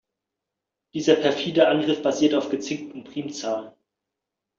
Dieser perfide Angriff basiert auf gezinkten Primzahlen.